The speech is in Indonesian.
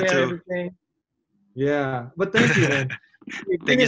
ya tapi terima kasih